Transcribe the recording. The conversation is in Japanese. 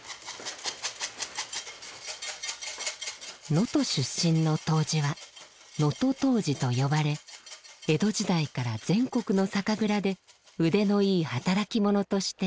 能登出身の杜氏は「能登杜氏」と呼ばれ江戸時代から全国の酒蔵で腕のいい働き者として知られていました。